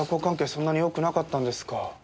そんなによくなかったんですか？